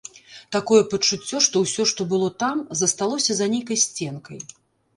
Такое пачуццё, што ўсё, што было там, засталося за нейкай сценкай.